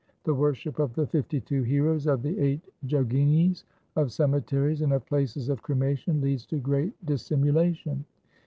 The worship of the fifty two heroes, of the eight joginis, of cemeteries and of places of cremation leads to great dissimulation.